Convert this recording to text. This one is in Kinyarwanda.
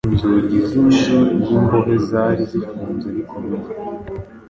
Inzugi z’inzu y’imbohe zari zifunze bikomeye